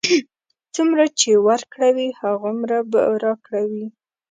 څومره چې ورکړه وي، هماغومره به راکړه وي.